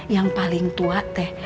yang paling tua teh